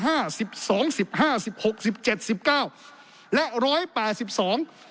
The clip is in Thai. สิบสองสิบห้าสิบหกสิบเจ็ดสิบเก้าและร้อยแปดสิบสอง